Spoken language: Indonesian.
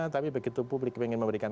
tapi begitu publik ingin memberikan